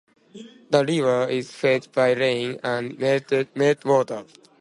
The river is fed by rain and meltwater.